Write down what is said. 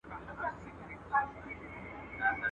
o اره، اره، يوم پر غاړه.